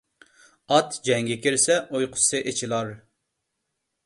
ئات جەڭگە كىرسە ئۇيقۇسى ئېچىلار.